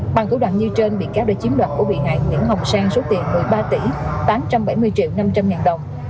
bằng thủ đoạn như trên bị cáo đã chiếm đoạt của bị nạn nguyễn hồng sang số tiền một mươi ba tỷ tám trăm bảy mươi triệu năm trăm linh ngàn đồng